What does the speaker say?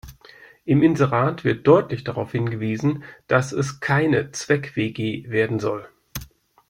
Im Inserat wird deutlich darauf hingewiesen, dass es keine Zweck-WG werden soll.